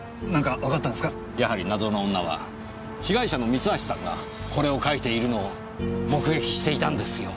やはり謎の女は被害者の三橋さんがこれを描いているのを目撃していたんですよ。